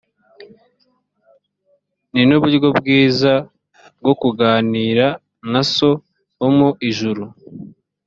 ni n’uburyo bwiza bwo kuganira na so wo mu ijuru